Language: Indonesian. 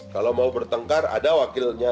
kalau mau bertengkar ada wakilnya